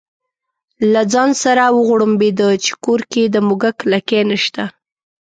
له ځانه سره وغړمبېده چې کور کې د موږک لکۍ نشته.